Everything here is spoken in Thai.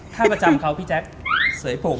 ถ้าประจำเค้าพี่แจ๊คเสยผม